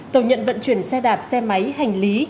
tàu nhận vận chuyển xe đạp xe máy hành lý